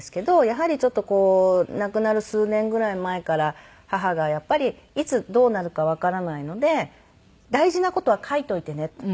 やはりちょっと亡くなる数年ぐらい前から母がやっぱりいつどうなるかわからないので大事な事は書いておいてねと。